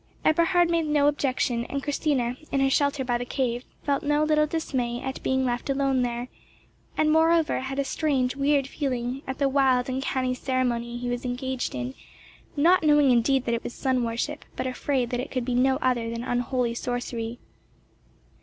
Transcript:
Eberhard made no objection; and Christina, in her shelter by the cave, felt no little dismay at being left alone there, and moreover had a strange, weird feeling at the wild, uncanny ceremony he was engaged in, not knowing indeed that it was sun worship, but afraid that it could be no other than unholy sorcery.